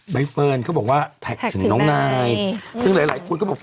ใบเฟิร์นเขาบอกว่าแท็กถึงน้องนายซึ่งหลายหลายคนก็บอก